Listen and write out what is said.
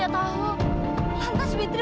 akanku jadikan istri